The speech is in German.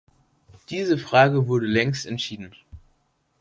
Diese Frage wurde längst entschieden.